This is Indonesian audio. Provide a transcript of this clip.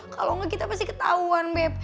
kalau enggak kita pasti ketahuan bep